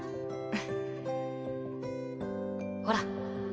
ほら。